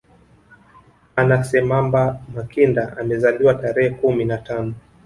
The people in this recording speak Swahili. Anna Semamba Makinda amezaliwa tarehe kumi na tano